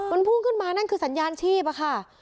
มันพุ่งขึ้นมานั่นคือสัญญาณชีพอะค่ะ